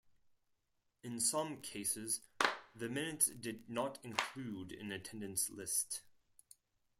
In some cases the minutes did not include an attendance list.